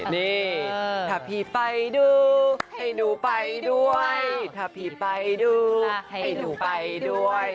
นี่ถ้าพี่ไปดูให้หนูไปด้วยถ้าพี่ไปดูให้หนูไปด้วย